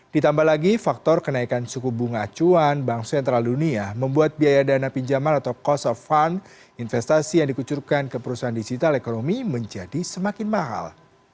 ditambah lagi faktor kenaikan suku bunga acuan bank sentral dunia membuat biaya dana pinjaman atau cost of fund investasi yang dikucurkan ke perusahaan digital ekonomi menjadi semakin mahal